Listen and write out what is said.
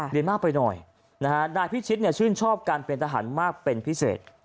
เรียนมากไปหน่อยนะฮะนายพิชิตชื่นชอบการเป็นทหารมากเป็นพิเศษ